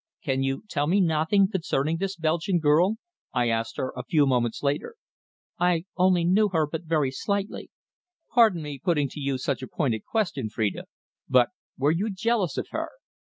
"Can you tell me nothing concerning this Belgian girl?" I asked her a few moments later. "I only knew her but very slightly." "Pardon me putting to you such a pointed question, Phrida. But were you jealous of her?"